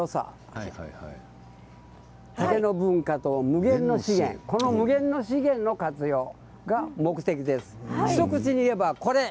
竹の文化と無限の資源無限の資源の活用が目的です。